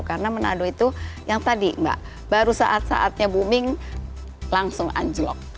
karena manado itu yang tadi mbak baru saat saatnya booming langsung anjlok